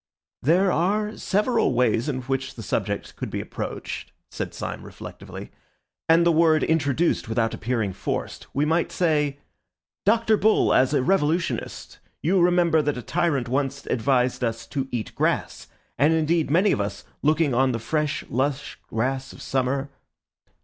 "There are several ways in which the subject could be approached," said Syme reflectively, "and the word introduced without appearing forced. We might say, 'Dr. Bull, as a revolutionist, you remember that a tyrant once advised us to eat grass; and indeed many of us, looking on the fresh lush grass of summer...